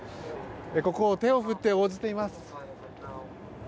国王は手を振って応じています。